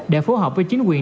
để phù hợp với chính quyền